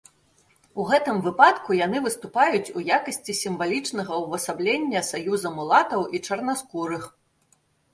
У гэтым выпадку яны выступаюць у якасці сімвалічнага ўвасаблення саюза мулатаў і чарнаскурых.